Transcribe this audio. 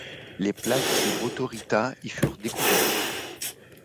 Les plaques de Botorrita y furent découvertes.